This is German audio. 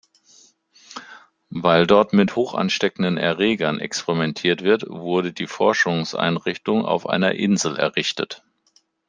Weil dort mit hochansteckenden Erregern experimentiert wird, wurde die Forschungseinrichtung auf einer Insel errichtet.